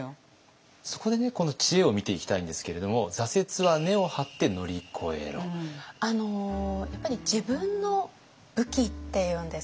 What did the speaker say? そこでこの知恵を見ていきたいんですけれどもやっぱり自分の武器っていうんですかね